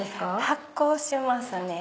発光しますね。